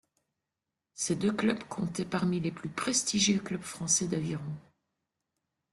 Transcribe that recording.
Ces deux clubs comptaient parmi les plus prestigieux clubs français d'aviron.